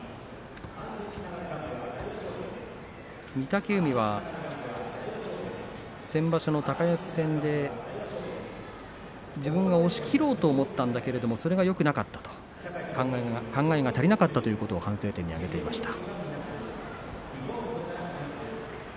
御嶽海は先場所の高安戦で自分は押しきろうと思ったんだけれどもそれがよくなかったと考えが足りなかったということを反省点に挙げていました。